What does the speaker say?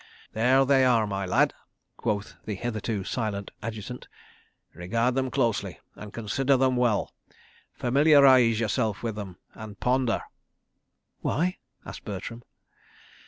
"There they are, my lad," quoth the hitherto silent Adjutant. "Regard them closely, and consider them well. Familiarise yourself with them, and ponder." "Why?" asked Bertram.